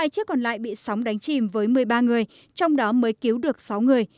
hai chiếc còn lại bị sóng đánh chìm với một mươi ba người trong đó mới cứu được sáu người